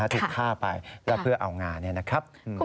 ถูกฆ่าไปแล้วเพื่อเอางานเนี่ยนะครับ